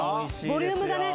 ボリュームがね！